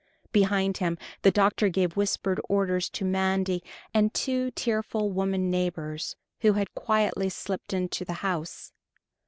Behind him the doctor gave whispered orders to Mandy and two tearful women neighbors who had quietly slipped into the house.